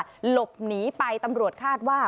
หลบหนีไปตำรวจคาดว่า